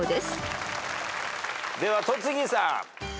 では戸次さん。